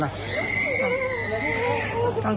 ต่างเย้งเลยครับ